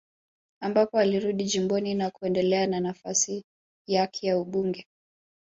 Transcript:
Ambapo alirudi jimboni na kuendelea na nafasi yak ya ubunge